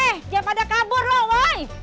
eh jangan pada kabur lo woy